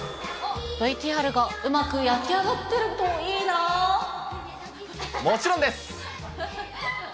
ＶＴＲがうまく焼き上がってもちろんです。